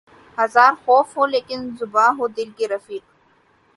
ہزار خوف ہو لیکن زباں ہو دل کی رفیق